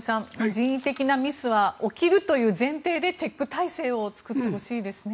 人為的なミスは起きるという前提でチェック体制を作ってほしいですね。